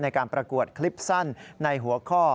ในการประกวดคลิปสั้นในหัวข้อ